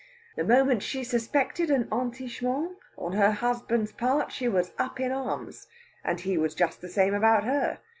The moment she suspected an entichement on her husband's part she was up in arms. And he was just the same about her.